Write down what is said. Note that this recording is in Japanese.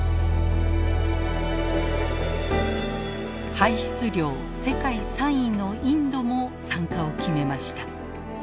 排出量世界３位のインドも参加を決めました。